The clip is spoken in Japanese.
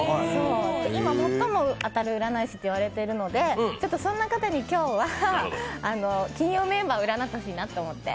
今最も当たる占い師と言われているのでそんな方に今日は金曜メンバーを占ってほしいなと思って。